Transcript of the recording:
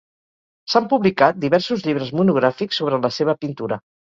S'han publicat diversos llibres monogràfics sobre la seva pintura.